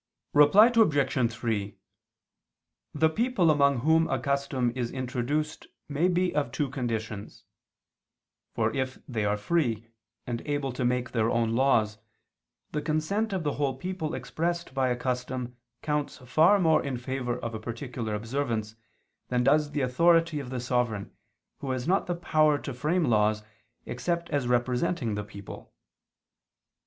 Reply Obj. 3: The people among whom a custom is introduced may be of two conditions. For if they are free, and able to make their own laws, the consent of the whole people expressed by a custom counts far more in favor of a particular observance, that does the authority of the sovereign, who has not the power to frame laws, except as representing the people.